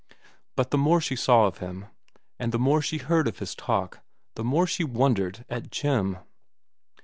But the more she saw of him, and the more she heard of his talk, the more she wondered at Jim.